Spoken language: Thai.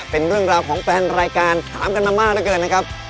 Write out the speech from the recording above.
เป็นเรื่องราวของแฟนรายการถามกันมามากเหลือเกินนะครับ